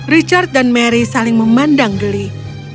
richard dan mary saling memandang geli